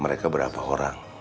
mereka berapa orang